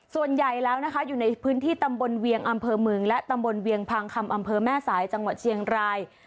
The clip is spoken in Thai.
ส่วนใหญ่แล้วนะคะอยู่ในพื้นที่ตำบลเวียงอำเภอเมืองและตำบลเวียงพังคำอำเภอแม่สายจังหวัดเชียงราย